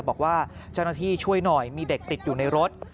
บอกว่าเจ้าหน้าที่ช่วยหน่อยมีเด็กติดอยู่ในรถ